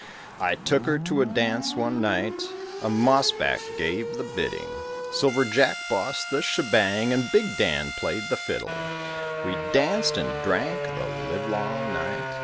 I took her to a dance one night, A mossback gave the bidding; Silver Jack bossed the shebang And Big Dan played the fiddle. We danced and drank, the livelong night.